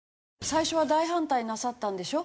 最初は大反対なさったんでしょ？